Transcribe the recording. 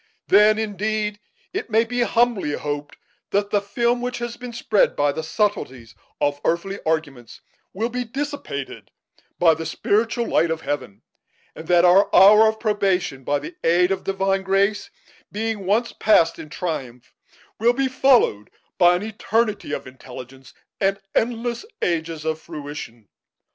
Then, indeed, it may be humbly hoped that the film which has been spread by the subtleties of earthly arguments will be dissipated by the spiritual light of Heaven; and that our hour of probation, by the aid of divine grace, being once passed in triumph, will be followed by an eternity of intelligence and endless ages of fruition.